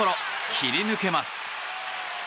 切り抜けます。